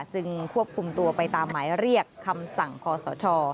จึงควบคุมตัวไปตามหมายเรียกคำสั่งคอสช